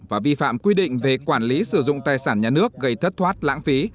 và vi phạm quy định về quản lý sử dụng tài sản nhà nước gây thất thoát lãng phí